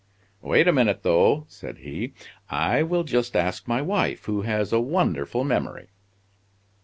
"Wait a moment though," said he, "I will just ask my wife, who has a wonderful memory."